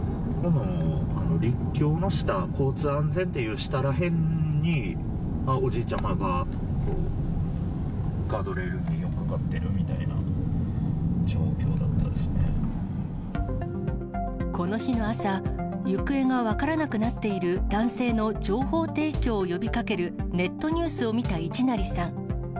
陸橋の下、交通安全っていう下らへんに、おじいちゃまがガードレールによっかかってるみたいな状況だったこの日の朝、行方が分からなくなっている男性の情報提供を呼びかけるネットニュースを見た市成さん。